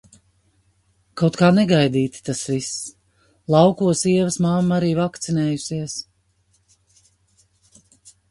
Kaut kā negaidīti tas viss! Laukos Ievas mamma arī vakcinējusies.